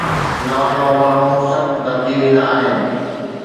نوان نوان ماڻهو سخت دٻجي ويندا آهن